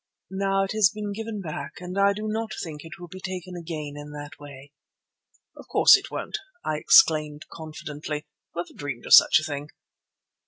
Now it has been given back and I do not think it will be taken again in that way." "Of course it won't," I exclaimed confidently. "Whoever dreamed of such a thing?"